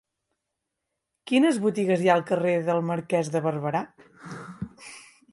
Quines botigues hi ha al carrer del Marquès de Barberà?